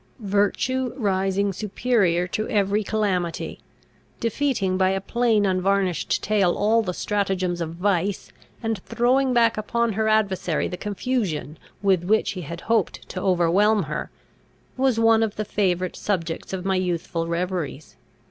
Virtue rising superior to every calamity, defeating by a plain unvarnished tale all the stratagems of Vice, and throwing back upon her adversary the confusion with which he had hoped to overwhelm her, was one of the favourite subjects of my youthful reveries.